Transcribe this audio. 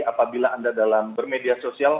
apabila anda dalam bermedia sosial